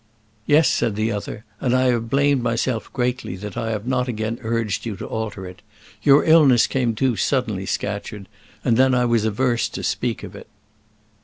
"Yes," said the other; "and I have blamed myself greatly that I have not again urged you to alter it. Your illness came too suddenly, Scatcherd; and then I was averse to speak of it."